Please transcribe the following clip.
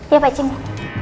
iya pak cimi